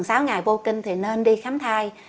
ba tuần sáu ngày vô kinh thì nên đi khám thai